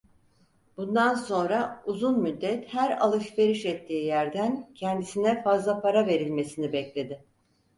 Bundan sonra uzun müddet her alışveriş ettiği yerden kendisine fazla para verilmesini bekledi.